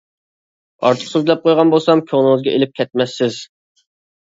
ئارتۇق سۆزلەپ قويغان بولسام كۆڭلىڭىزگە ئېلىپ كەتمەسسىز.